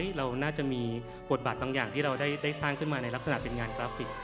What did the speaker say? เราน่าจะมีบทบาทบางอย่างที่เราได้สร้างขึ้นมาในลักษณะเป็นงานกราฟิก